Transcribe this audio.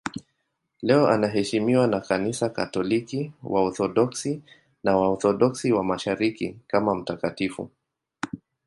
Leo anaheshimiwa na Kanisa Katoliki, Waorthodoksi na Waorthodoksi wa Mashariki kama mtakatifu.